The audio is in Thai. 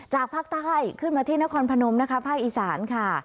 ภาคใต้ขึ้นมาที่นครพนมนะคะภาคอีสานค่ะ